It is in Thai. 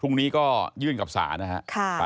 องค์นี้ก็ยื่นกับสารครับ